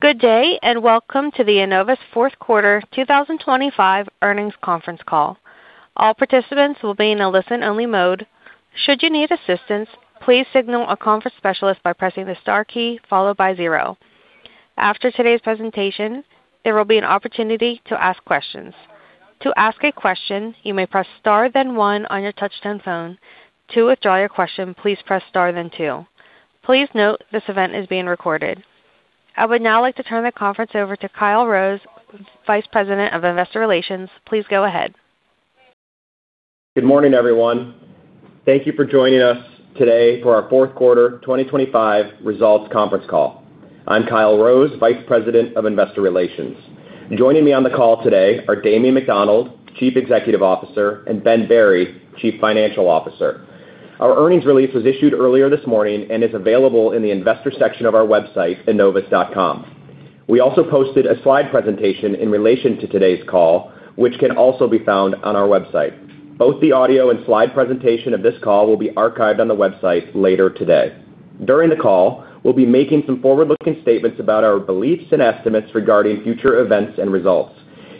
Good day, and welcome to the Enovis fourth quarter 2025 earnings conference call. All participants will be in a listen-only mode. Should you need assistance, please signal a conference specialist by pressing the star key followed by zero. After today's presentation, there will be an opportunity to ask questions. To ask a question, you may press star, then one on your touchtone phone. To withdraw your question, please press star then two. Please note, this event is being recorded. I would now like to turn the conference over to Kyle Rose, Vice President of Investor Relations. Please go ahead. Good morning, everyone. Thank you for joining us today for our fourth quarter 2025 results conference call. I'm Kyle Rose, Vice President of Investor Relations. Joining me on the call today are Damien McDonald, Chief Executive Officer, and Ben Berry, Chief Financial Officer. Our earnings release was issued earlier this morning and is available in the investor section of our website, enovis.com. We also posted a slide presentation in relation to today's call, which can also be found on our website. Both the audio and slide presentation of this call will be archived on the website later today. During the call, we'll be making some forward-looking statements about our beliefs and estimates regarding future events and results.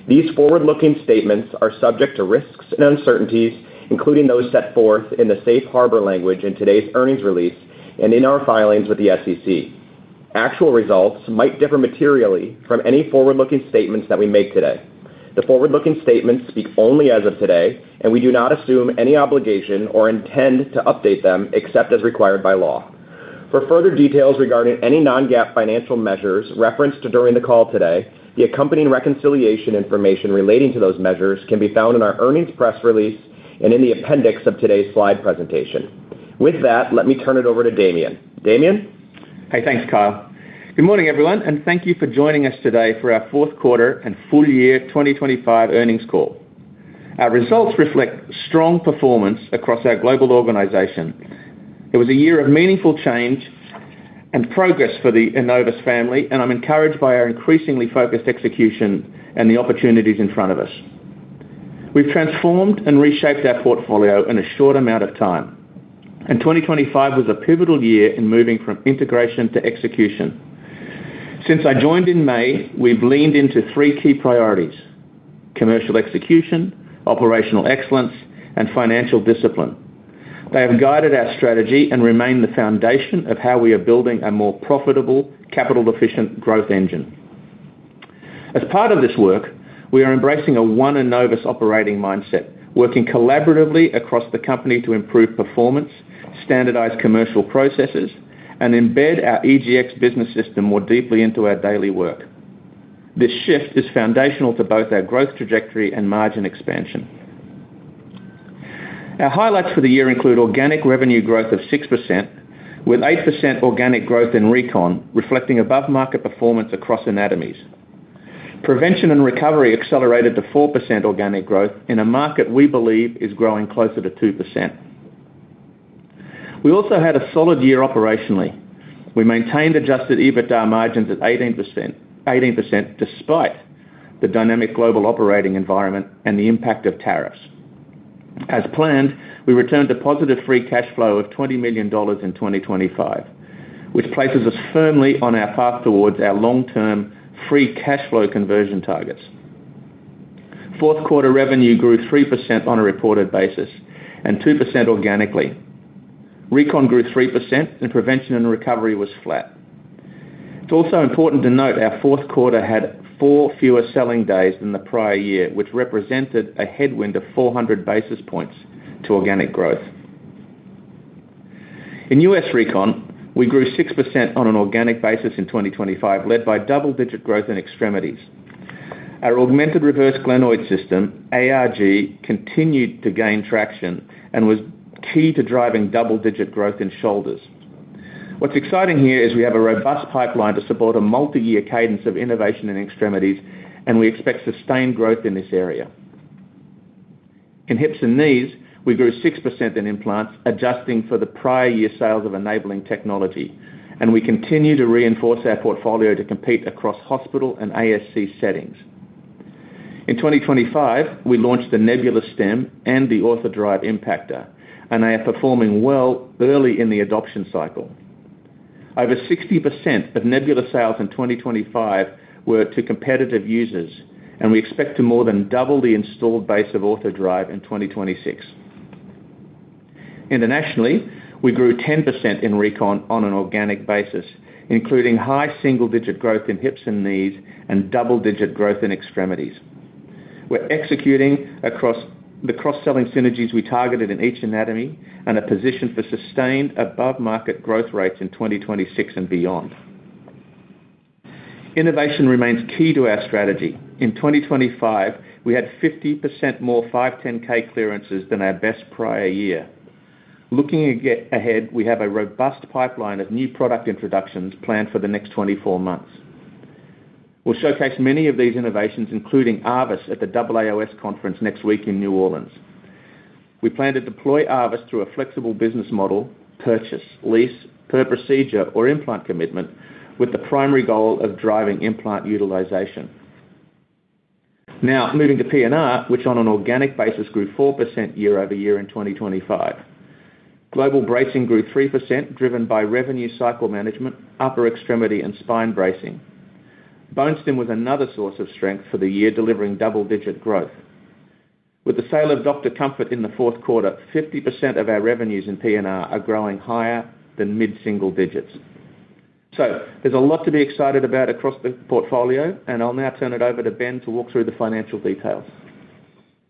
These forward-looking statements are subject to risks and uncertainties, including those set forth in the safe harbor language in today's earnings release and in our filings with the SEC. Actual results might differ materially from any forward-looking statements that we make today. The forward-looking statements speak only as of today, and we do not assume any obligation or intend to update them except as required by law. For further details regarding any non-GAAP financial measures referenced during the call today, the accompanying reconciliation information relating to those measures can be found in our earnings press release and in the appendix of today's slide presentation. With that, let me turn it over to Damien. Damien? Hey, thanks, Kyle. Good morning, everyone, thank you for joining us today for our fourth quarter and full year 2025 earnings call. Our results reflect strong performance across our global organization. It was a year of meaningful change and progress for the Enovis family. I'm encouraged by our increasingly focused execution and the opportunities in front of us. We've transformed and reshaped our portfolio in a short amount of time. 2025 was a pivotal year in moving from integration to execution. Since I joined in May, we've leaned into three key priorities: commercial execution, operational excellence, and financial discipline. They have guided our strategy and remain the foundation of how we are building a more profitable, capital-efficient growth engine. As part of this work, we are embracing a One Enovis operating mindset, working collaboratively across the company to improve performance, standardize commercial processes, and embed our EGX business system more deeply into our daily work. This shift is foundational to both our growth trajectory and margin expansion. Our highlights for the year include organic revenue growth of 6%, with 8% organic growth in Recon, reflecting above-market performance across anatomies. Prevention and recovery accelerated to 4% organic growth in a market we believe is growing closer to 2%. We also had a solid year operationally. We maintained adjusted EBITDA margins at 18%, despite the dynamic global operating environment and the impact of tariffs. As planned, we returned to positive free cash flow of $20 million in 2025, which places us firmly on our path towards our long-term free cash flow conversion targets. Fourth quarter revenue grew 3% on a reported basis and 2% organically. Recon grew 3%. Prevention and recovery was flat. It's also important to note our fourth quarter had four fewer selling days than the prior year, which represented a headwind of 400 basis points to organic growth. In U.S. Recon, we grew 6% on an organic basis in 2025, led by double-digit growth in extremities. Our augmented reverse glenoid system, ARG, continued to gain traction and was key to driving double-digit growth in shoulders. What's exciting here is we have a robust pipeline to support a multi-year cadence of innovation in extremities. We expect sustained growth in this area. In hips and knees, we grew 6% in implants, adjusting for the prior year sales of enabling technology. We continue to reinforce our portfolio to compete across hospital and ASC settings. In 2025, we launched the Nebula Stem and the OrthoDrive Impactor. They are performing well early in the adoption cycle. Over 60% of Nebula sales in 2025 were to competitive users. We expect to more than double the installed base of OrthoDrive in 2026. Internationally, we grew 10% in Recon on an organic basis, including high single-digit growth in hips and knees and double-digit growth in extremities. We're executing the cross-selling synergies we targeted in each anatomy. We are positioned for sustained above-market growth rates in 2026 and beyond. Innovation remains key to our strategy. In 2025, we had 50% more 510(k) clearances than our best prior year. Looking ahead, we have a robust pipeline of new product introductions planned for the next 24 months. We'll showcase many of these innovations, including ARVIS, at the AAOS conference next week in New Orleans. We plan to deploy ARVIS through a flexible business model, purchase, lease, per procedure, or implant commitment, with the primary goal of driving implant utilization. Moving to PNR, which on an organic basis, grew 4% year-over-year in 2025. Global bracing grew 3%, driven by revenue cycle management, upper extremity, and spine bracing. Bone Stim was another source of strength for the year, delivering double-digit growth. With the sale of Dr. Comfort in the fourth quarter, 50% of our revenues in PNR are growing higher than mid-single digits. There's a lot to be excited about across the portfolio, and I'll now turn it over to Ben to walk through the financial details.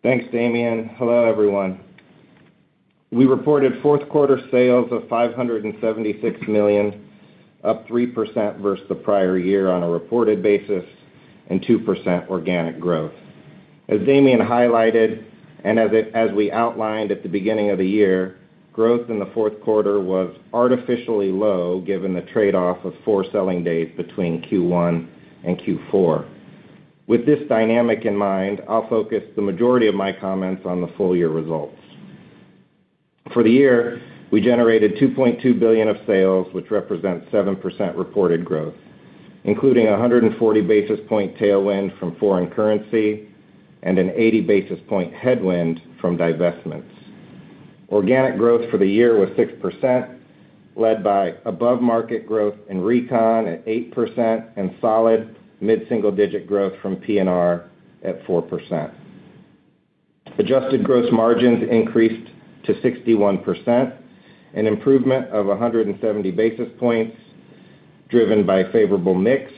Thanks, Damian. Hello, everyone. We reported fourth quarter sales of $576 million, up 3% versus the prior year on a reported basis, and 2% organic growth. As Damian highlighted, as we outlined at the beginning of the year, growth in the fourth quarter was artificially low, given the trade-off of four selling days between Q1 and Q4. With this dynamic in mind, I'll focus the majority of my comments on the full year results. For the year, we generated $2.2 billion of sales, which represents 7% reported growth, including a 140 basis point tailwind from foreign currency and an 80 basis point headwind from divestments. Organic growth for the year was 6%, led by above-market growth in Recon at 8% and solid mid-single-digit growth from PNR at 4%. Adjusted gross margins increased to 61%, an improvement of 170 basis points, driven by favorable mix,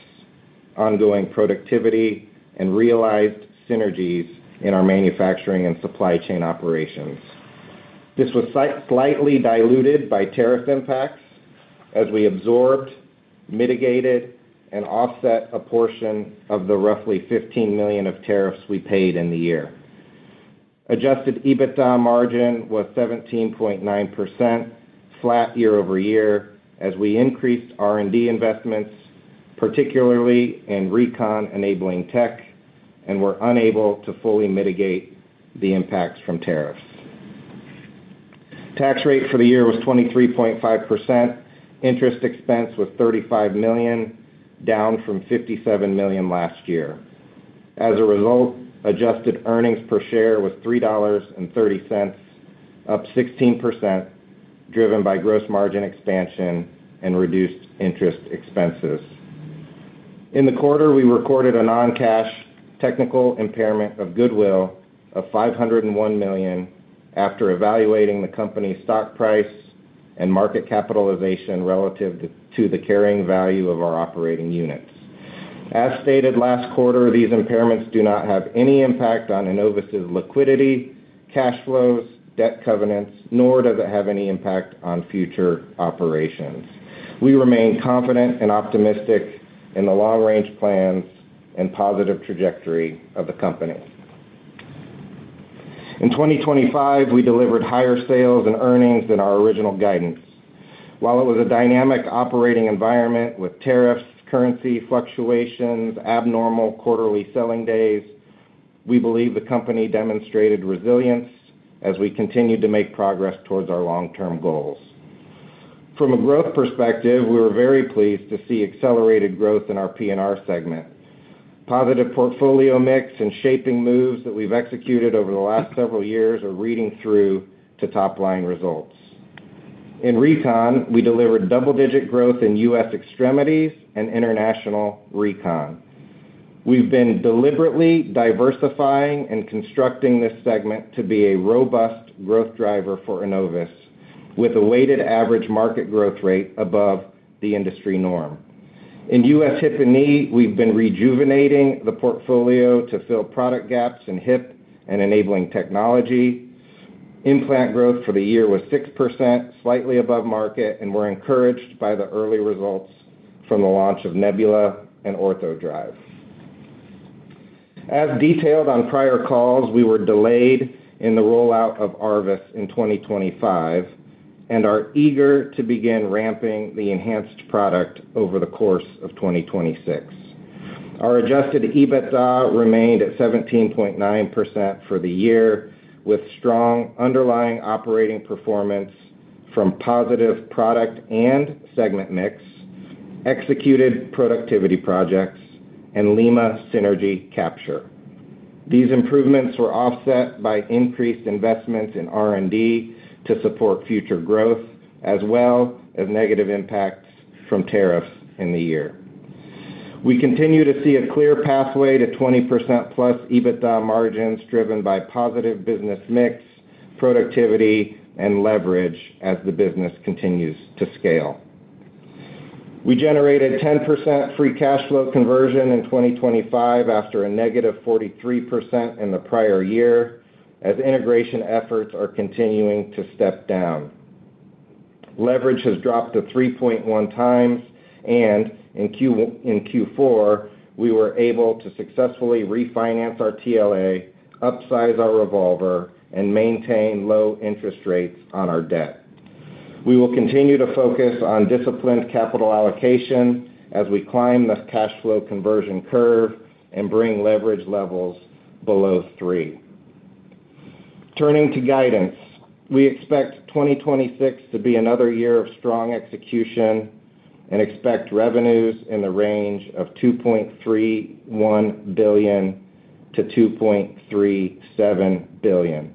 ongoing productivity, and realized synergies in our manufacturing and supply chain operations. This was slightly diluted by tariff impacts as we absorbed, mitigated, and offset a portion of the roughly $15 million of tariffs we paid in the year. Adjusted EBITDA margin was 17.9%, flat year-over-year, as we increased R&D investments, particularly in Recon-enabling tech, and were unable to fully mitigate the impacts from tariffs. Tax rate for the year was 23.5%. Interest expense was $35 million, down from $57 million last year. As a result, adjusted earnings per share was $3.30, up 16%, driven by gross margin expansion and reduced interest expenses. In the quarter, we recorded a non-cash technical impairment of goodwill of $501 million after evaluating the company's stock price and market capitalization relative to the carrying value of our operating units. As stated last quarter, these impairments do not have any impact on Enovis' liquidity, cash flows, debt covenants, nor does it have any impact on future operations. We remain confident and optimistic in the long-range plans and positive trajectory of the company. In 2025, we delivered higher sales and earnings than our original guidance. While it was a dynamic operating environment with tariffs, currency fluctuations, abnormal quarterly selling days, we believe the company demonstrated resilience as we continued to make progress towards our long-term goals. From a growth perspective, we were very pleased to see accelerated growth in our PNR segment. Positive portfolio mix and shaping moves that we've executed over the last several years are reading through to top-line results. In Recon, we delivered double-digit growth in U.S. extremities and international Recon. We've been deliberately diversifying and constructing this segment to be a robust growth driver for Enovis, with a weighted average market growth rate above the industry norm. In U.S. hip and knee, we've been rejuvenating the portfolio to fill product gaps in hip and enabling technology. Implant growth for the year was 6%, slightly above market, and we're encouraged by the early results from the launch of Nebula and OrthoDrive. As detailed on prior calls, we were delayed in the rollout of ARVIS in 2025 and are eager to begin ramping the enhanced product over the course of 2026. Our adjusted EBITDA remained at 17.9% for the year, with strong underlying operating performance from positive product and segment mix, executed productivity projects, and Lima synergy capture. These improvements were offset by increased investments in R&D to support future growth, as well as negative impacts from tariffs in the year. We continue to see a clear pathway to 20%+ EBITDA margins, driven by positive business mix, productivity, and leverage as the business continues to scale. We generated 10% free cash flow conversion in 2025 after a -43% in the prior year, as integration efforts are continuing to step down. Leverage has dropped to 3.1 times, and in Q4, we were able to successfully refinance our TLA, upsize our revolver, and maintain low interest rates on our debt. We will continue to focus on disciplined capital allocation as we climb the cash flow conversion curve and bring leverage levels below 3. Turning to guidance, we expect 2026 to be another year of strong execution and expect revenues in the range of $2.31 billion-$2.37 billion.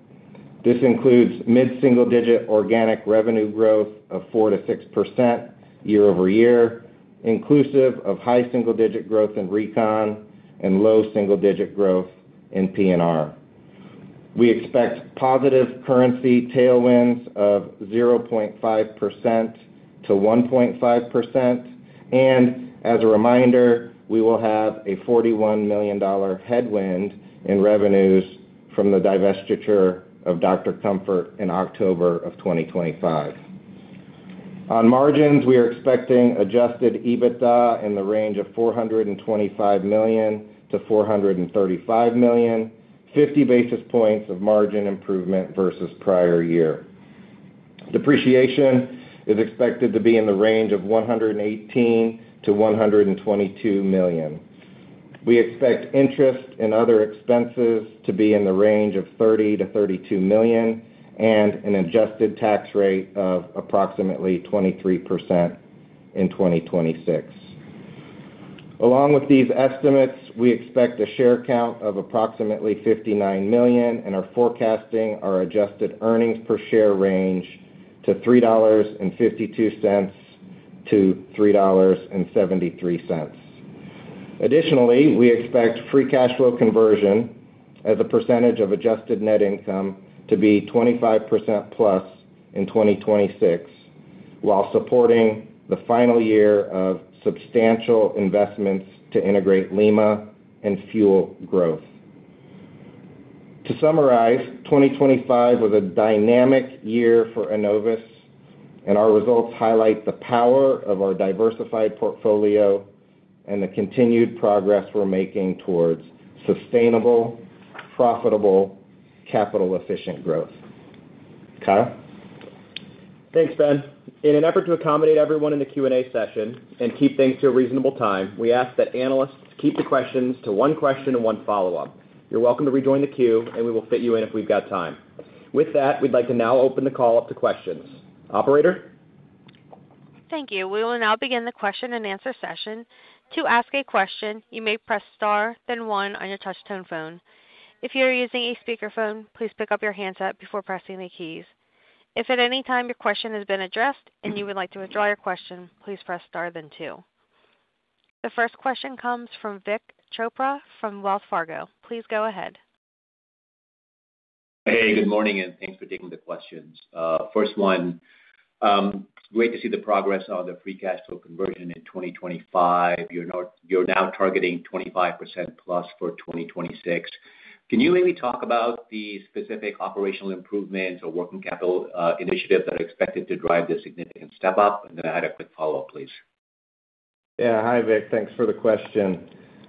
This includes mid-single digit organic revenue growth of 4%-6% year-over-year, inclusive of high single digit growth in Recon and low single digit growth in PNR. We expect positive currency tailwinds of 0.5%-1.5%. As a reminder, we will have a $41 million headwind in revenues from the divestiture of Dr. Comfort in October of 2025. On margins, we are expecting adjusted EBITDA in the range of $425 million-$435 million, 50 basis points of margin improvement versus prior year. Depreciation is expected to be in the range of $118 million-$122 million. We expect interest and other expenses to be in the range of $30 million-$32 million and an adjusted tax rate of approximately 23% in 2026. Along with these estimates, we expect a share count of approximately 59 million, and are forecasting our adjusted earnings per share range to $3.52-$3.73. Additionally, we expect free cash flow conversion as a percentage of adjusted net income to be 25%+ in 2026, while supporting the final year of substantial investments to integrate Lima and fuel growth. To summarize, 2025 was a dynamic year for Enovis. Our results highlight the power of our diversified portfolio and the continued progress we're making towards sustainable, profitable, capital-efficient growth. Kyle? Thanks, Ben. In an effort to accommodate everyone in the Q&A session and keep things to a reasonable time, we ask that analysts keep the questions to one question and one follow-up. You're welcome to rejoin the queue, and we will fit you in if we've got time. With that, we'd like to now open the call up to questions. Operator? Thank you. We will now begin the question-and-answer session. To ask a question, you may press star, then one on your touchtone phone. If you are using a speakerphone, please pick up your handset before pressing the keys. If at any time your question has been addressed and you would like to withdraw your question, please press star then two. The first question comes from Vik Chopra from Wells Fargo. Please go ahead. Hey, good morning, thanks for taking the questions. First one, great to see the progress on the free cash flow conversion in 2025. You're now targeting 25% plus for 2026. Can you maybe talk about the specific operational improvements or working capital initiatives that are expected to drive this significant step up? I had a quick follow-up, please. Yeah. Hi, Vik. Thanks for the question.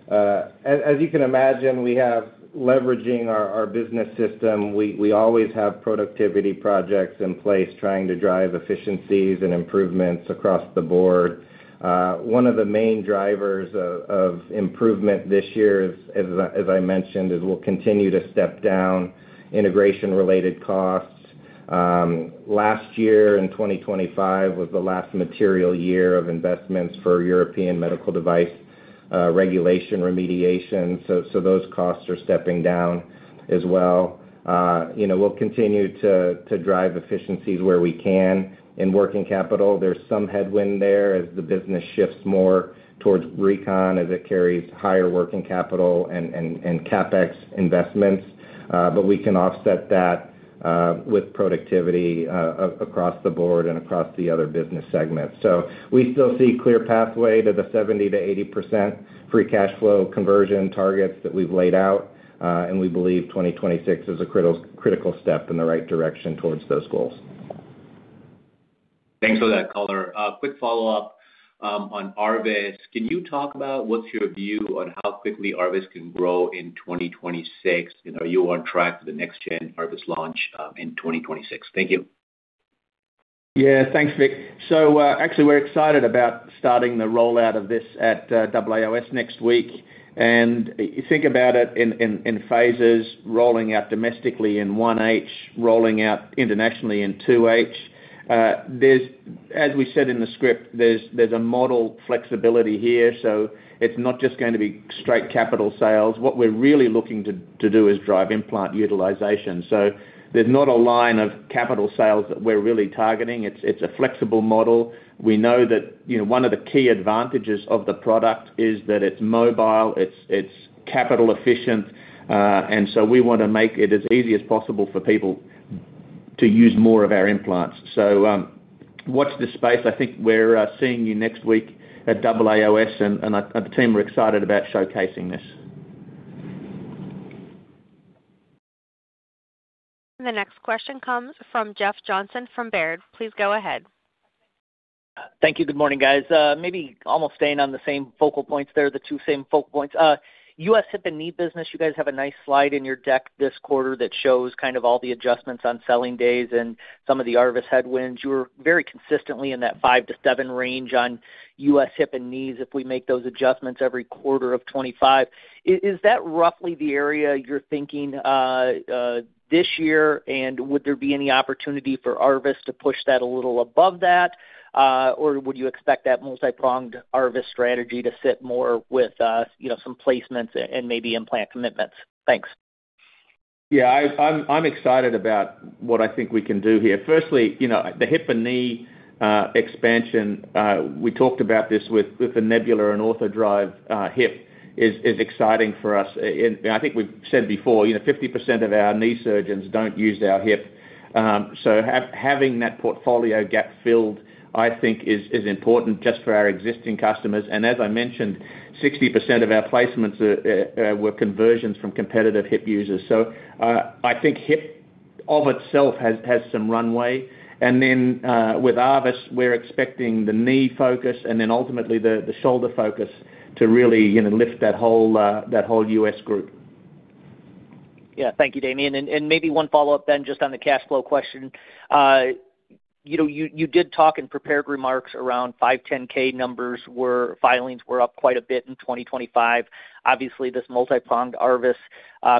As you can imagine, we have leveraging our business system. We always have productivity projects in place, trying to drive efficiencies and improvements across the board. One of the main drivers of improvement this year, as I mentioned, is we'll continue to step down integration-related costs. Last year, in 2025, was the last material year of investments for European Medical Device Regulation remediation, so those costs are stepping down as well. You know, we'll continue to drive efficiencies where we can. In working capital, there's some headwind there as the business shifts more towards Recon, as it carries higher working capital and CapEx investments, but we can offset that with productivity across the board and across the other business segments. We still see clear pathway to the 70%-80% free cash flow conversion targets that we've laid out, and we believe 2026 is a critical step in the right direction towards those goals. Thanks for that color. Quick follow-up on ARVIS. Can you talk about what's your view on how quickly ARVIS can grow in 2026? Are you on track for the next-gen ARVIS launch in 2026? Thank you. Yeah, thanks, Vik. Actually, we're excited about starting the rollout of this at AAOS next week. You think about it in phases, rolling out domestically in 1H, rolling out internationally in 2H. As we said in the script, there's a model flexibility here, so it's not just going to be straight capital sales. What we're really looking to do is drive implant utilization. There's not a line of capital sales that we're really targeting. It's a flexible model. We know that, you know, one of the key advantages of the product is that it's mobile, it's capital efficient, and so we want to make it as easy as possible for people to use more of our implants. Watch this space. I think we're seeing you next week at AAOS, and the team are excited about showcasing this. The next question comes from Jeff Johnson from Baird. Please go ahead. Thank you. Good morning, guys. Maybe almost staying on the same focal points there, the two same focal points. U.S. hip and knee business, you guys have a nice slide in your deck this quarter that shows kind of all the adjustments on selling days and some of the ARVIS headwinds. You were very consistently in that five-seven range on U.S. hip and knees if we make those adjustments every quarter of 2025. Is that roughly the area you're thinking this year? Would there be any opportunity for ARVIS to push that a little above that, or would you expect that multi-pronged ARVIS strategy to sit more with, you know, some placements and maybe implant commitments? Thanks. I'm excited about what I think we can do here. Firstly, you know, the hip and knee expansion, we talked about this with the Nebula and OrthoDrive, hip is exciting for us. I think we've said before, you know, 50% of our knee surgeons don't use our hip. Having that portfolio gap filled, I think is important just for our existing customers. As I mentioned, 60% of our placements were conversions from competitive hip users. I think hip of itself has some runway. Then with Arvis, we're expecting the knee focus, and then ultimately, the shoulder focus to really, you know, lift that whole that whole U.S. group. Yeah. Thank you, Damien. Maybe one follow-up, just on the cash flow question. you know, you did talk in prepared remarks around 510(k) numbers filings were up quite a bit in 2025. Obviously, this multi-pronged ARVIS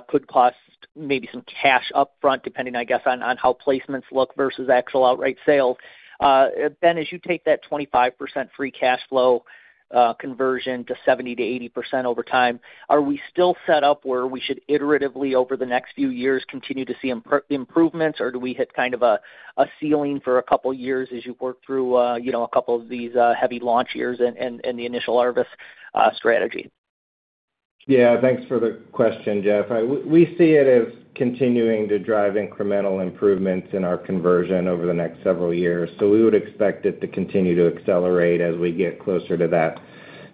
could cost maybe some cash upfront, depending, I guess, on how placements look versus actual outright sales. Ben, as you take that 25% free cash flow conversion to 70%-80% over time, are we still set up where we should iteratively, over the next few years, continue to see improvements, or do we hit kind of a ceiling for a couple years as you work through, you know, a couple of these heavy launch years and the initial ARVIS strategy? Yeah, thanks for the question, Jeff. We see it as continuing to drive incremental improvements in our conversion over the next several years. We would expect it to continue to accelerate as we get closer to that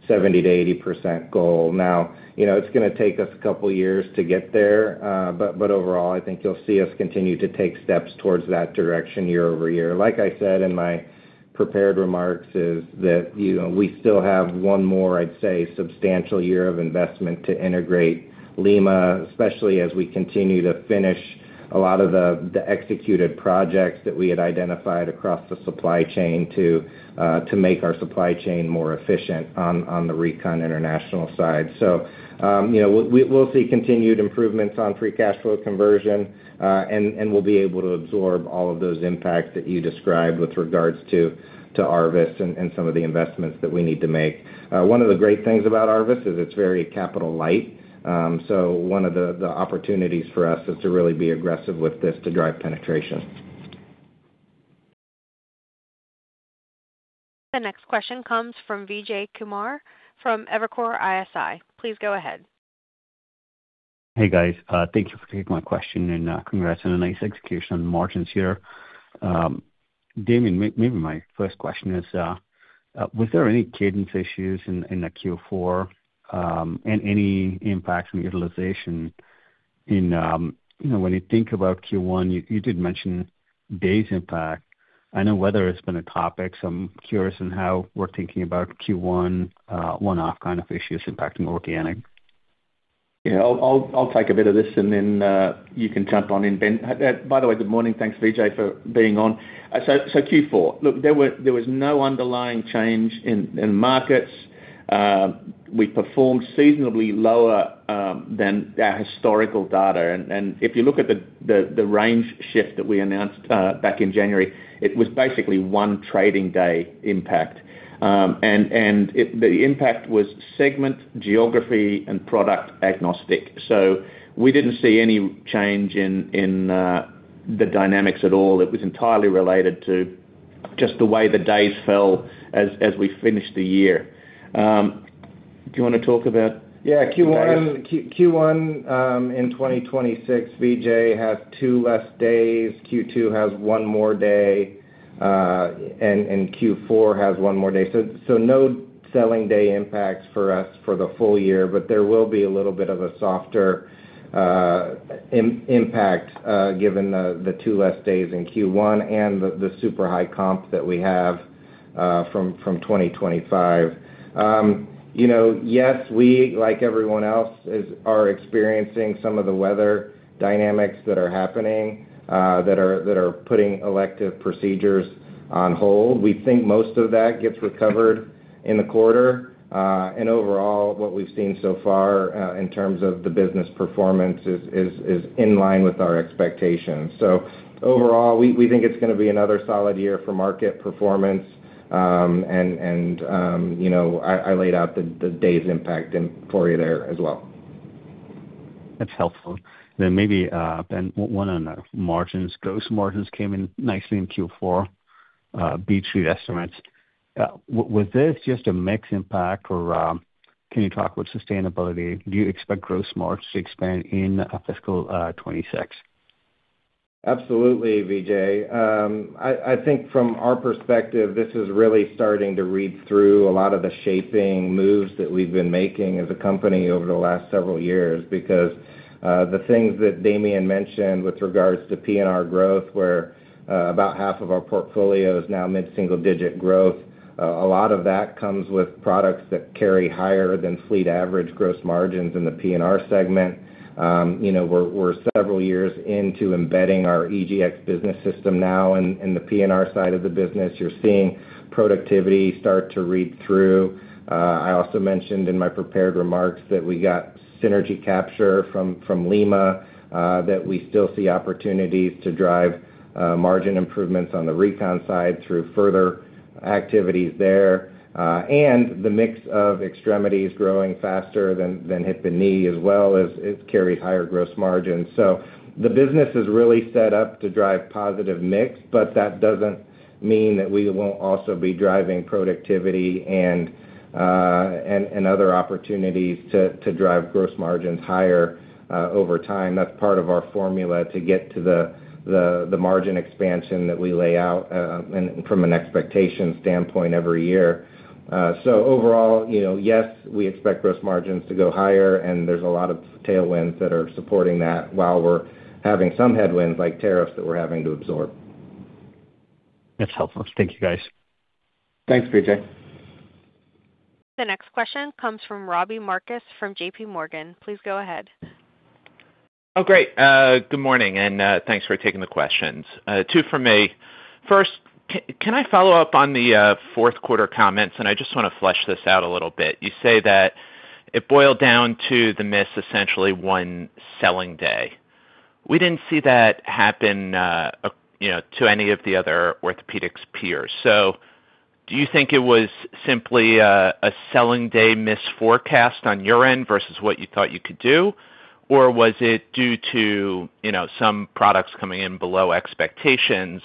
70%-80% goal. Now, you know, it's gonna take us a couple years to get there, but overall, I think you'll see us continue to take steps towards that direction year-over-year. Like I said in my prepared remarks, is that, you know, we still have one more, I'd say, substantial year of investment to integrate Lima, especially as we continue to finish a lot of the executed projects that we had identified across the supply chain to make our supply chain more efficient on the Recon international side. you know, we'll see continued improvements on free cash flow conversion, and we'll be able to absorb all of those impacts that you described with regards to ARVIS and some of the investments that we need to make. One of the great things about ARVIS is it's very capital light. One of the opportunities for us is to really be aggressive with this to drive penetration. The next question comes from Vijay Kumar from Evercore ISI. Please go ahead. Hey, guys. Thank you for taking my question. Congrats on a nice execution on margins here. Damien, maybe my first question is, was there any cadence issues in the Q4, and any impacts on utilization in, you know, when you think about Q1, you did mention days impact. I know weather has been a topic, so I'm curious on how we're thinking about Q1, one-off kind of issues impacting organic? Yeah, I'll take a bit of this, then you can jump on in, Ben. By the way, good morning. Thanks, Vijay, for being on. Q4, look, there was no underlying change in markets. We performed seasonably lower than our historical data. If you look at the range shift that we announced back in January, it was basically one trading day impact. The impact was segment, geography, and product agnostic. We didn't see any change in the dynamics at all. It was entirely related to just the way the days fell as we finished the year. Do you wanna talk about. Yeah, Q1. Q1 in 2026, Vijay, has two less days, Q2 has 1 more day, and Q4 has one more day. No selling day impacts for us for the full year, but there will be a little bit of a softer impact given the two less days in Q1 and the super high comp that we have from 2025. You know, yes, we, like everyone else, are experiencing some of the weather dynamics that are happening that are putting elective procedures on hold. We think most of that gets recovered in the quarter. Overall, what we've seen so far in terms of the business performance is in line with our expectations. Overall, we think it's gonna be another solid year for market performance. You know, I laid out the days impact in for you there as well. That's helpful. Maybe, Ben, one on the margins. Gross margins came in nicely in Q4, beat street estimates. Was this just a mix impact or, can you talk about sustainability? Do you expect gross margins to expand in fiscal 2026? Absolutely, Vijay. I think from our perspective, this is really starting to read through a lot of the shaping moves that we've been making as a company over the last several years. The things that Damien mentioned with regards to PNR growth, where about half of our portfolio is now mid-single digit growth, a lot of that comes with products that carry higher than fleet average gross margins in the PNR segment. You know, we're several years into embedding our EGX business system now in the PNR side of the business. You're seeing productivity start to read through. I also mentioned in my prepared remarks that we got synergy capture from Lima, that we still see opportunities to drive margin improvements on the Recon side through further activities there. The mix of extremity is growing faster than hip and knee as well as it carries higher gross margins. The business is really set up to drive positive mix, but that doesn't mean that we won't also be driving productivity and other opportunities to drive gross margins higher over time. That's part of our formula to get to the margin expansion that we lay out, and from an expectation standpoint every year. Overall, you know, yes, we expect gross margins to go higher, and there's a lot of tailwinds that are supporting that while we're having some headwinds, like tariffs, that we're having to absorb. That's helpful. Thank you, guys. Thanks, Vijay. The next question comes from Robbie Marcus from JPMorgan. Please go ahead. Oh, great. Good morning, and thanks for taking the questions. Two from me. First, can I follow up on the fourth quarter comments? I just want to flesh this out a little bit. You say that it boiled down to the miss, essentially one selling day. We didn't see that happen, you know, to any of the other orthopedics peers. Do you think it was simply a selling day misforecast on your end versus what you thought you could do, or was it due to, you know, some products coming in below expectations,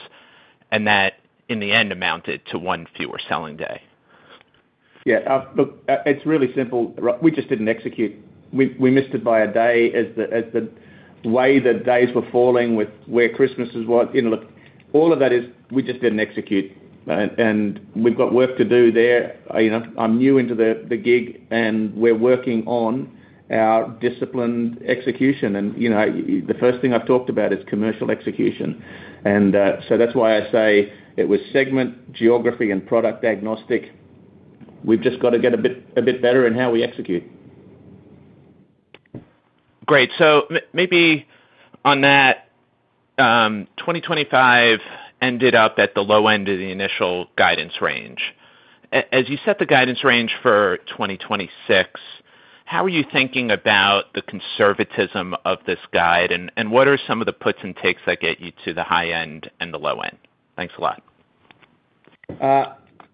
and that, in the end, amounted to one fewer selling day? Yeah, look, it's really simple, Rob, we just didn't execute. We missed it by a day as the way the days were falling with where Christmas was. You know, look, all of that is we just didn't execute, and we've got work to do there. You know, I'm new into the gig, and we're working on our disciplined execution, and, you know, the first thing I've talked about is commercial execution. That's why I say it was segment, geography and product agnostic. We've just got to get a bit better in how we execute. Great. maybe on that, 2025 ended up at the low end of the initial guidance range. as you set the guidance range for 2026, how are you thinking about the conservatism of this guide, and what are some of the puts and takes that get you to the high end and the low end? Thanks a lot.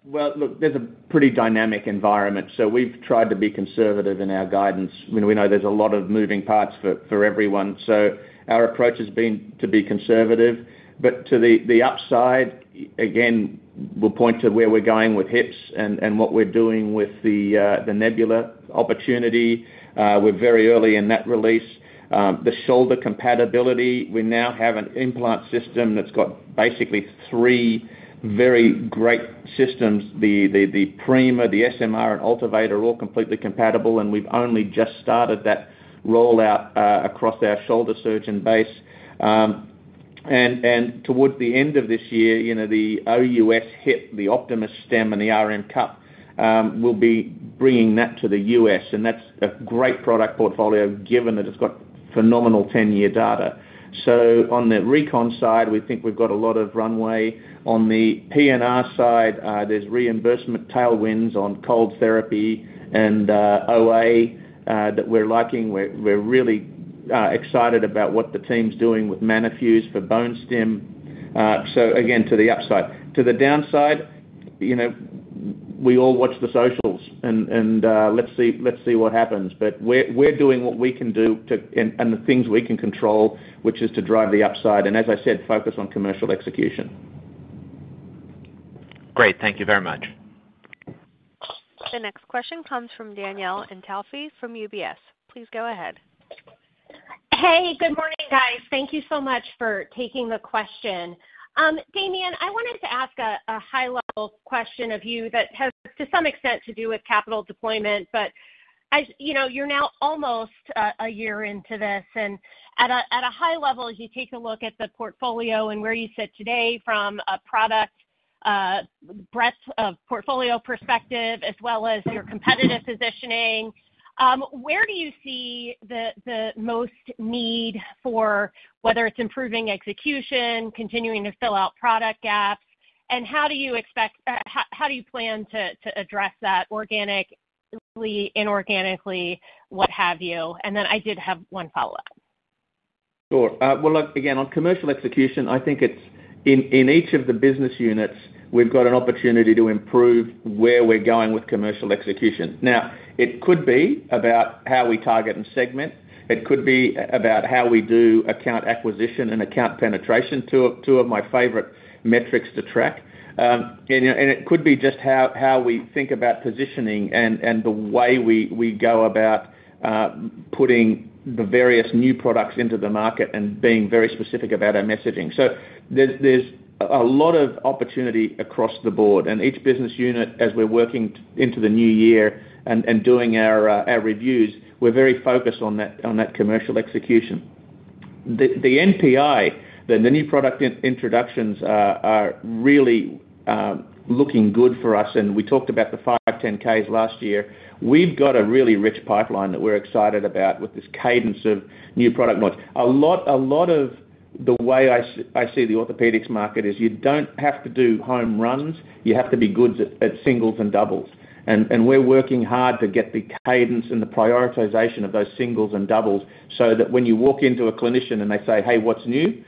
Well, look, there's a pretty dynamic environment, we've tried to be conservative in our guidance. We know there's a lot of moving parts for everyone, our approach has been to be conservative. To the upside, again, we'll point to where we're going with hips and what we're doing with the Nebula opportunity. We're very early in that release. The shoulder compatibility, we now have an implant system that's got basically three very great systems, the Prima, the SMR and AltiVate are all completely compatible, and we've only just started that rollout across our shoulder surgeon base. Towards the end of this year, you know, the OUS hip, the Optimys stem, and the RM Cup, we'll be bringing that to the U.S., and that's a great product portfolio, given that it's got phenomenal 10-year data. On the Recon side, we think we've got a lot of runway. On the PNR side, there's reimbursement tailwinds on cold therapy and OA that we're liking. We're really excited about what the team's doing with Manafuse for Bone Stim. Again, to the upside. To the downside, you know, we all watch the socials and, let's see, let's see what happens. We're doing what we can do and the things we can control, which is to drive the upside, and as I said, focus on commercial execution. Great. Thank you very much. The next question comes from Danielle Antalffy from UBS. Please go ahead. Hey, good morning, guys. Thank you so much for taking the question. Damien, I wanted to ask a high-level question of you that has, to some extent, to do with capital deployment. As you know, you're now almost a year into this, at a high level, as you take a look at the portfolio and where you sit today from a product breadth of portfolio perspective, as well as your competitive positioning, where do you see the most need for whether it's improving execution, continuing to fill out product gaps? How do you plan to address that organically, inorganically, what have you? Then I did have one follow-up. Sure. Well, look, again, on commercial execution, I think it's in each of the business units, we've got an opportunity to improve where we're going with commercial execution. It could be about how we target and segment. It could be about how we do account acquisition and account penetration, two of my favorite metrics to track. And, you know, and it could be just how we think about positioning and the way we go about putting the various new products into the market and being very specific about our messaging. There's a lot of opportunity across the board, and each business unit, as we're working into the new year and doing our reviews, we're very focused on that commercial execution. The NPI, the new product introductions are really looking good for us. We talked about the 510(k)s last year. We've got a really rich pipeline that we're excited about with this cadence of new product launch. A lot of the way I see the orthopedics market is you don't have to do home runs, you have to be good at singles and doubles. We're working hard to get the cadence and the prioritization of those singles and doubles so that when you walk into a clinician and they say, "Hey, what's new?"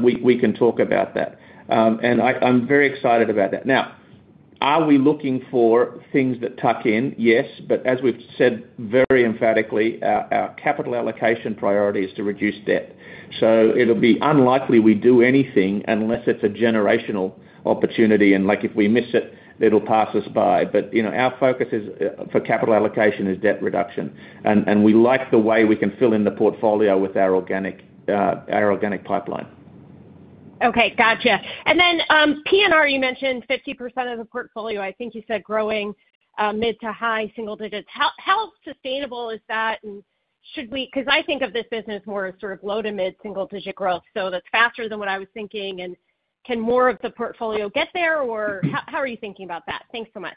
We can talk about that. I'm very excited about that. Now, are we looking for things that tuck in? Yes. As we've said very emphatically, our capital allocation priority is to reduce debt. It'll be unlikely we do anything unless it's a generational opportunity, and, like, if we miss it'll pass us by. You know, our focus is for capital allocation, is debt reduction. And we like the way we can fill in the portfolio with our organic, our organic pipeline. Okay, gotcha. PNR, you mentioned 50% of the portfolio, I think you said growing, mid to high single digits. How sustainable is that? 'Cause I think of this business more as sort of low to mid single digit growth, so that's faster than what I was thinking. Can more of the portfolio get there, or how are you thinking about that? Thanks so much.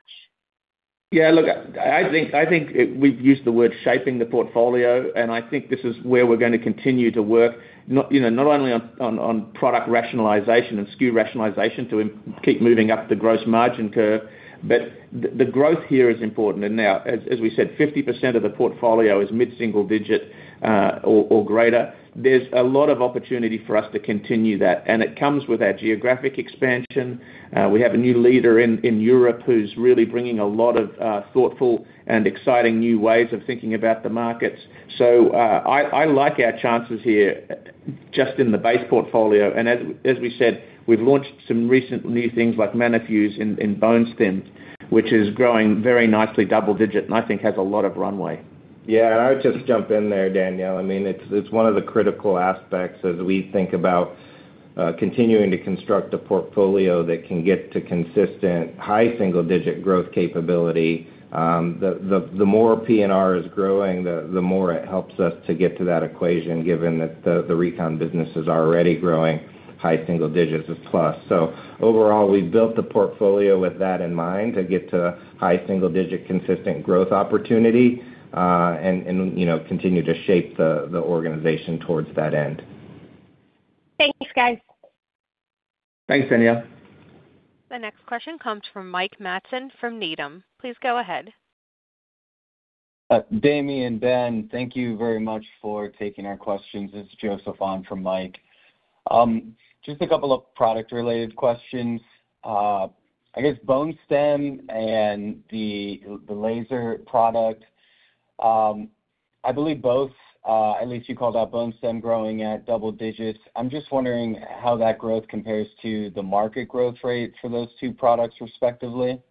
Yeah, look, I think we've used the word shaping the portfolio, and I think this is where we're going to continue to work, not, you know, not only on product rationalization and SKU rationalization to keep moving up the gross margin curve, but the growth here is important. Now, as we said, 50% of the portfolio is mid-single digit or greater. There's a lot of opportunity for us to continue that, and it comes with our geographic expansion. We have a new leader in Europe who's really bringing a lot of thoughtful and exciting new ways of thinking about the markets. I like our chances here just in the base portfolio. As we said, we've launched some recent new things like Manafuse in Bone Stim, which is growing very nicely, double digit, and I think has a lot of runway. Yeah, I'll just jump in there, Danielle. I mean, it's one of the critical aspects as we think about continuing to construct a portfolio that can get to consistent high single-digit growth capability. The more PNR is growing, the more it helps us to get to that equation, given that the Recon business is already growing high single digits plus. Overall, we've built the portfolio with that in mind, to get to high single-digit consistent growth opportunity, and, you know, continue to shape the organization towards that end. Thanks, guys. Thanks, Danielle. The next question comes from Mike Matson from Needham. Please go ahead. Damien, Ben, thank you very much for taking our questions. It's Joseph on from Mike. Just a couple of product-related questions. I guess Bone Stim and the laser product, I believe both, at least you called out Bone Stim growing at double-digits. I'm just wondering how that growth compares to the market growth rate for those two products respectively.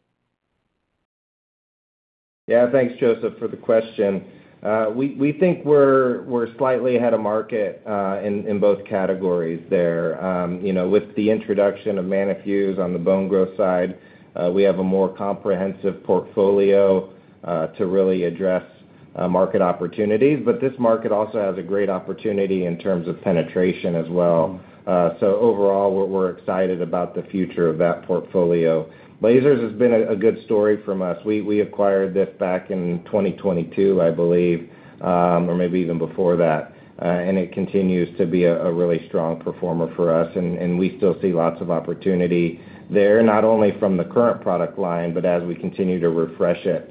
Yeah, thanks, Joseph, for the question. We think we're slightly ahead of market in both categories there. You know, with the introduction of Manafuse on the bone growth side, we have a more comprehensive portfolio to really address market opportunities. This market also has a great opportunity in terms of penetration as well. Overall, we're excited about the future of that portfolio. Lasers has been a good story from us. We acquired this back in 2022, I believe, or maybe even before that. It continues to be a really strong performer for us, and we still see lots of opportunity there, not only from the current product line, but as we continue to refresh it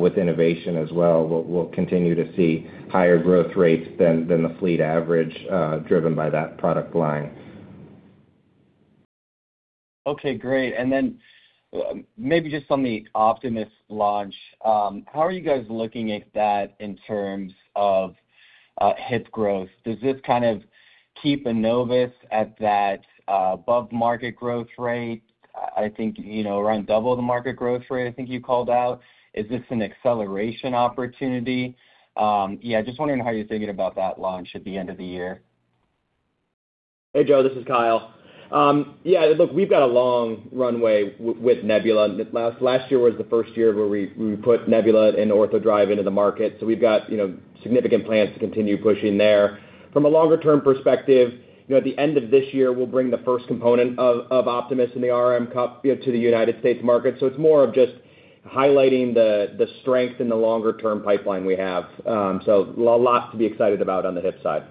with innovation as well, we'll continue to see higher growth rates than the fleet average, driven by that product line. Okay, great. Then, maybe just on the Optimys launch, how are you guys looking at that in terms of hip growth? Does this kind of keep Enovis at that above-market growth rate? I think, you know, around 2x the market growth rate, I think you called out. Is this an acceleration opportunity? Yeah, just wondering how you're thinking about that launch at the end of the year. Hey, Joe, this is Kyle. Yeah, look, we've got a long runway with Nebula. Last year was the first year where we put Nebula and OrthoDrive into the market, so we've got, you know, significant plans to continue pushing there. From a longer-term perspective, you know, at the end of this year, we'll bring the first component of Optimys in the RM Cup, you know, to the United States market. It's more of just highlighting the strength in the longer-term pipeline we have. Lots to be excited about on the hip side.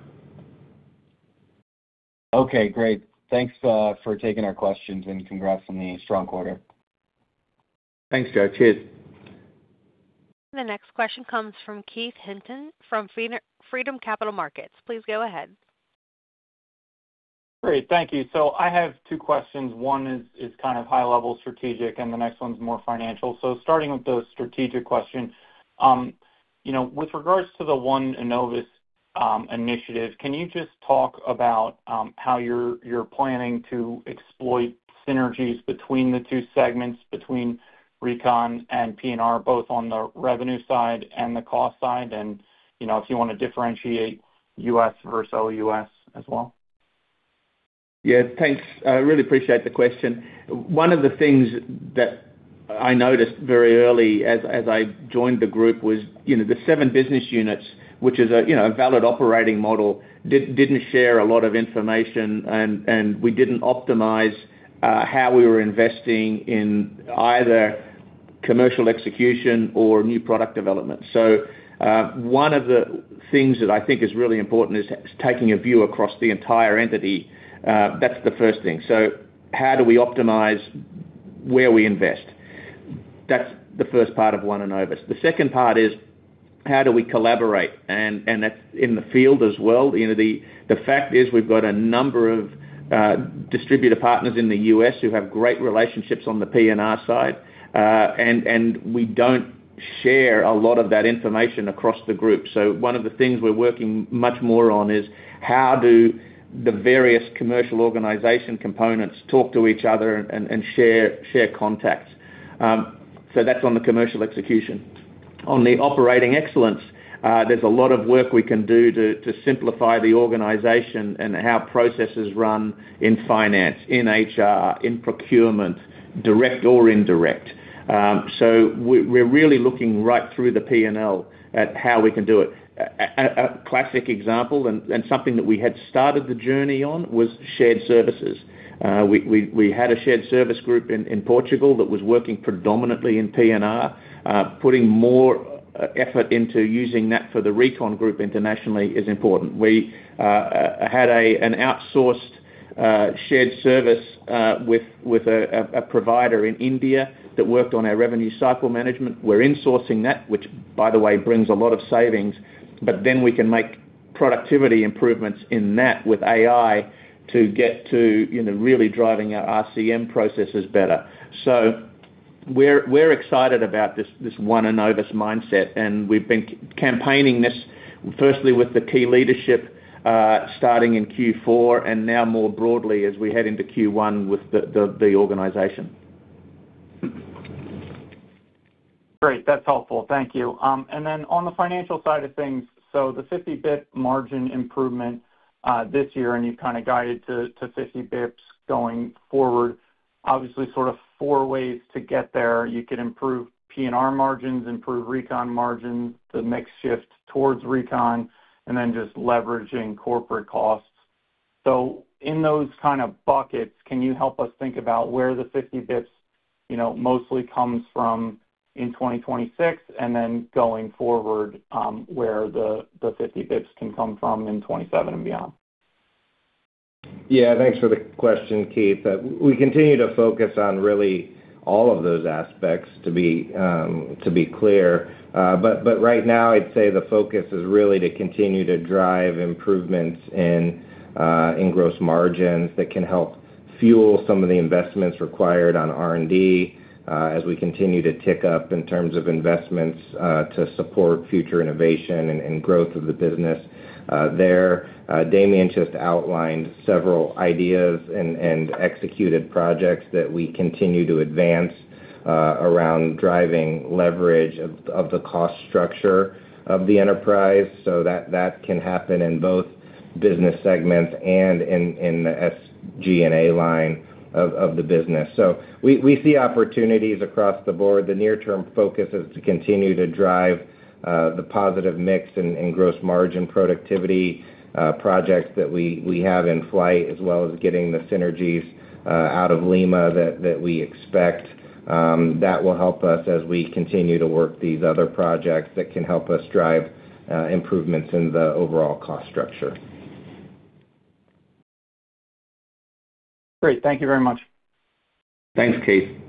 Okay, great. Thanks for taking our questions, and congrats on the strong quarter. Thanks, Joe. Cheers. The next question comes from Keith Hinton from Freedom Capital Markets. Please go ahead. Great. Thank you. I have two questions. One is kind of high level, strategic, and the next one's more financial. Starting with the strategic question, you know, with regards to the One Enovis initiative, can you just talk about, how you're planning to exploit synergies between the two segments, between Recon and PNR, both on the revenue side and the cost side, and, you know, if you wanna differentiate U.S. versus OUS as well? Yeah, thanks. I really appreciate the question. One of the things that I noticed very early as I joined the group was, you know, the seven business units, which is a, you know, a valid operating model, didn't share a lot of information, and we didn't optimize how we were investing in either commercial execution or new product development. One of the things that I think is really important is taking a view across the entire entity. That's the first thing. How do we optimize where we invest? That's the first part of One Enovis. The second part is, how do we collaborate? And that's in the field as well. You know, the fact is, we've got a number of distributor partners in the U.S. who have great relationships on the PNR side, and we don't share a lot of that information across the group. One of the things we're working much more on is, how do the various commercial organization components talk to each other and share contacts? That's on the commercial execution. On the operating excellence, there's a lot of work we can do to simplify the organization and how processes run in finance, in HR, in procurement, direct or indirect. We're really looking right through the P&L at how we can do it. A classic example, and something that we had started the journey on, was shared services. We had a shared service group in Portugal that was working predominantly in PNR. Putting more effort into using that for the Recon group internationally is important. We had an outsourced shared service with a provider in India that worked on our revenue cycle management. We're insourcing that, which, by the way, brings a lot of savings, we can make productivity improvements in that with AI to get to, you know, really driving our RCM processes better. We're excited about this One Enovis mindset, and we've been campaigning this, firstly, with the key leadership, starting in Q4, and now more broadly as we head into Q1 with the organization. Great. That's helpful. Thank you. On the financial side of things, the 50-bip margin improvement this year, and you've kind of guided to 50 bips going forward, obviously sort of four ways to get there. You could improve PNR margins, improve Recon margins, the mix shift towards Recon, and then just leveraging corporate costs. In those kind of buckets, can you help us think about where the 50 bips, you know, mostly comes from in 2026, and then going forward, where the 50 bips can come from in 2027 and beyond? Yeah, thanks for the question, Keith. We continue to focus on really all of those aspects, to be clear. Right now, I'd say the focus is really to continue to drive improvements in gross margins that can help fuel some of the investments required on R&D, as we continue to tick up in terms of investments, to support future innovation and growth of the business, there. Damien just outlined several ideas and executed projects that we continue to advance, around driving leverage of the cost structure of the enterprise, so that can happen in both business segments and in the SG&A line of the business. We see opportunities across the board. The near-term focus is to continue to drive the positive mix and gross margin productivity projects that we have in flight, as well as getting the synergies out of Lima that we expect. That will help us as we continue to work these other projects that can help us drive improvements in the overall cost structure. Great. Thank you very much. Thanks, Keith.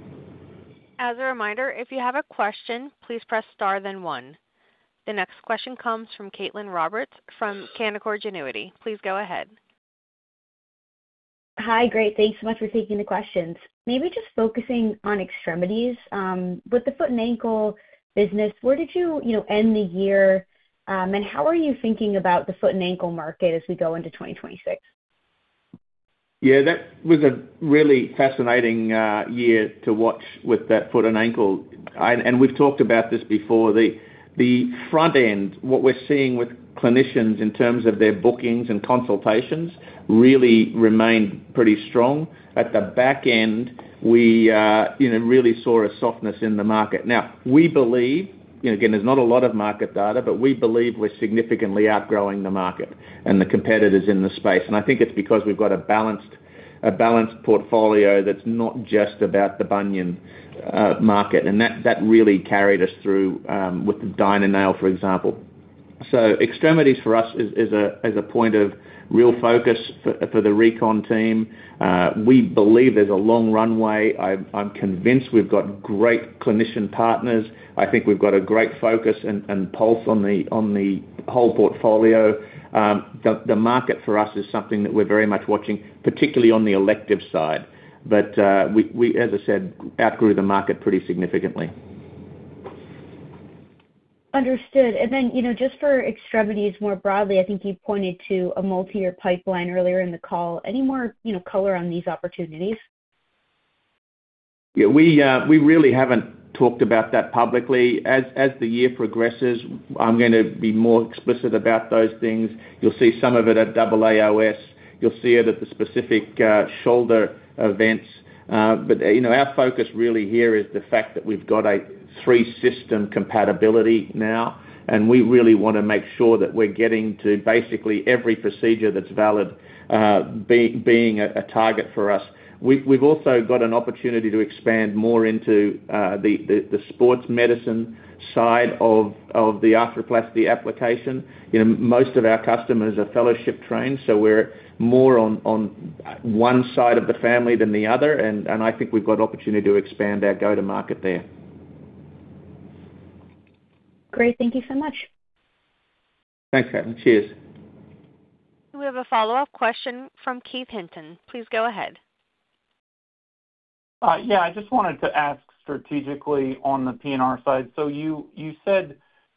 As a reminder, if you have a question, please press star, then one. The next question comes from Caitlin Cronin from Canaccord Genuity. Please go ahead. Hi. Great. Thanks so much for taking the questions. Maybe just focusing on extremities, with the foot and ankle business, where did you know, end the year, and how are you thinking about the foot and ankle market as we go into 2026? Yeah, that was a really fascinating year to watch with that foot and ankle. We've talked about this before. The front end, what we're seeing with clinicians in terms of their bookings and consultations, really remained pretty strong. At the back end, we, you know, really saw a softness in the market. We believe, you know, again, there's not a lot of market data, but we believe we're significantly outgrowing the market and the competitors in the space. I think it's because we've got a balanced portfolio that's not just about the bunion market, and that really carried us through with the DynaNail, for example. Extremities for us is a point of real focus for the Recon team. We believe there's a long runway. I'm convinced we've got great clinician partners. I think we've got a great focus and pulse on the whole portfolio. The market for us is something that we're very much watching, particularly on the elective side. We, as I said, outgrew the market pretty significantly. Understood. You know, just for extremities, more broadly, I think you pointed to a multi-year pipeline earlier in the call. Any more, you know, color on these opportunities? Yeah, we really haven't talked about that publicly. As the year progresses, I'm gonna be more explicit about those things. You'll see some of it at AAOS. You'll see it at the specific shoulder events. You know, our focus really here is the fact that we've got a three-system compatibility now, and we really wanna make sure that we're getting to basically every procedure that's valid, being a target for us. We've also got an opportunity to expand more into the sports medicine side of the arthroplasty application. You know, most of our customers are fellowship trained, so we're more on one side of the family than the other, and I think we've got opportunity to expand our go-to-market there. Great. Thank you so much. Thanks, Caitlin. Cheers. We have a follow-up question from Keith Hinton. Please go ahead. Yeah, I just wanted to ask strategically on the PNR side. You, you said,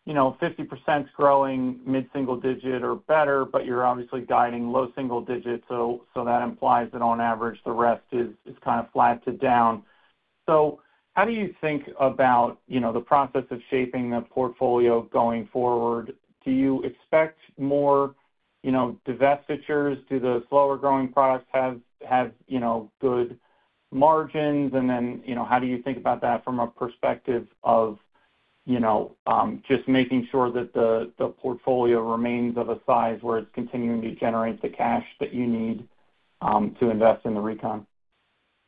you know, 50%'s growing mid-single digit or better, but you're obviously guiding low single digits, so that implies that on average, the rest is kind of flat to down. How do you think about, you know, the process of shaping the portfolio going forward? Do you expect more, you know, divestitures? Do the slower growing products have, you know, good margins? Then, you know, how do you think about that from a perspective of, you know, just making sure that the portfolio remains of a size where it's continuing to generate the cash that you need to invest in the Recon?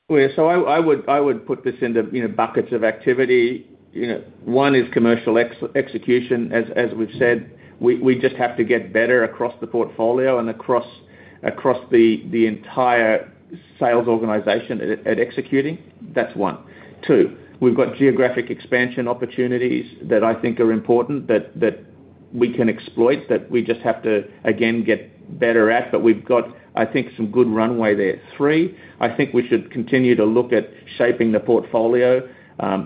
Yeah, I would put this into, you know, buckets of activity. You know, 1 is commercial execution. As we've said, we just have to get better across the portfolio and across the entire sales organization at executing. That's 1. 2, we've got geographic expansion opportunities that I think are important, that we can exploit, that we just have to, again, get better at, but we've got, I think, some good runway there. 3, I think we should continue to look at shaping the portfolio.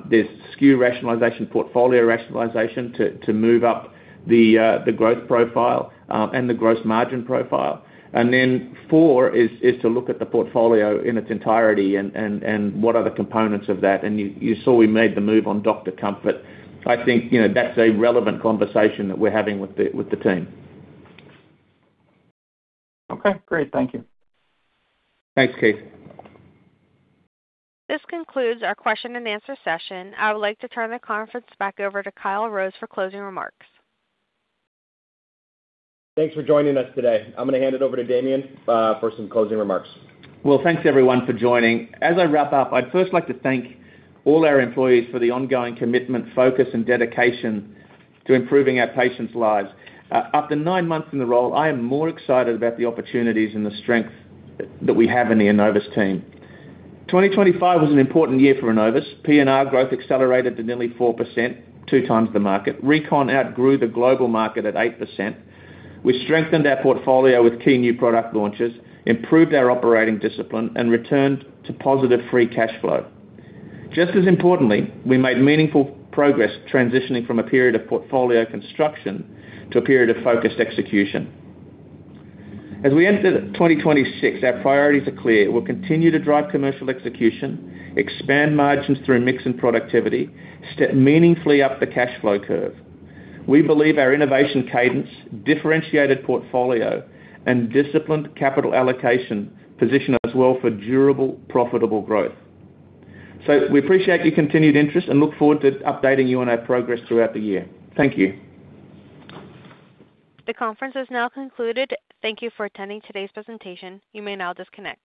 There's SKU rationalization, portfolio rationalization, to move up the growth profile and the gross margin profile. 4 is to look at the portfolio in its entirety and what are the components of that? You saw we made the move on Dr. Comfort. I think, you know, that's a relevant conversation that we're having with the, with the team. Okay, great. Thank you. Thanks, Keith. This concludes our question and answer session. I would like to turn the conference back over to Kyle Rose for closing remarks. Thanks for joining us today. I'm gonna hand it over to Damien, for some closing remarks. Well, thanks, everyone, for joining. As I wrap up, I'd first like to thank all our employees for the ongoing commitment, focus, and dedication to improving our patients' lives. After nine months in the role, I am more excited about the opportunities and the strength that we have in the Enovis team. 2025 was an important year for Enovis. PNR growth accelerated to nearly 4%, 2x the market. Recon outgrew the global market at 8%. We strengthened our portfolio with key new product launches, improved our operating discipline, and returned to positive free cash flow. Just as importantly, we made meaningful progress transitioning from a period of portfolio construction to a period of focused execution. As we enter 2026, our priorities are clear. We'll continue to drive commercial execution, expand margins through mix and productivity, step meaningfully up the cash flow curve. We believe our innovation cadence, differentiated portfolio, and disciplined capital allocation position us well for durable, profitable growth. We appreciate your continued interest and look forward to updating you on our progress throughout the year. Thank you. The conference is now concluded. Thank you for attending today's presentation. You may now disconnect.